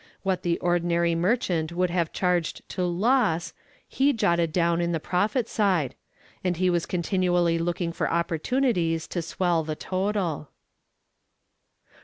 What the ordinary merchant would have charged to "loss" he jotted down on the "profit" side, and he was continually looking for opportunities to swell the total.